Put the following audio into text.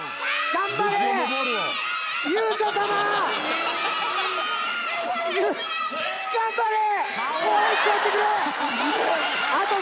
頑張れ！